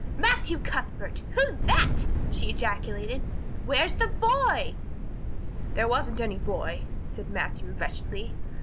"Matthew Cuthbert, who's that?" she ejaculated. "Where is the boy?" "There wasn't any boy," said Matthew wretchedly.